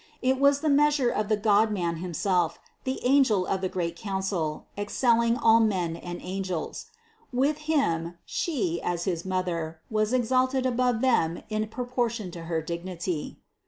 It was the measure of the Godman himself, the Angel of the great council, excelling all men and angels. With Him She, as his Mother, was exalted above them in propor tion to her dignity.